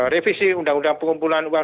revisi undang undang pengumpulan uang